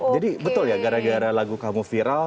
jadi betul ya gara gara lagu kamu viral